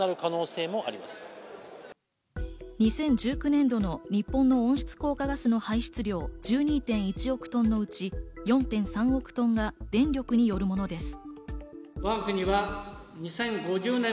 ２０１９年度の日本の温室効果ガスの排出量、１２．１億トンのうち、４．３億トンが電力によるものです。